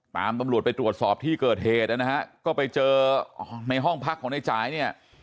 ตำรวจไปตรวจสอบที่เกิดเหตุนะฮะก็ไปเจอในห้องพักของในจ่ายเนี่ย